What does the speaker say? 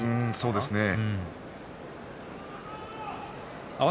そうですね。